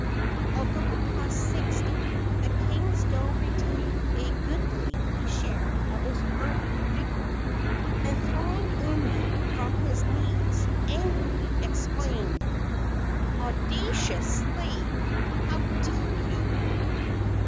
Although past sixty, the king still retained a goodly share of his earlier vigor, and, throwing Umi from his knees, angrily exclaimed: "Audacious slave! how dare you!"